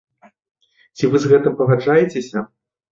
Ці вы з гэтым пагаджаецеся?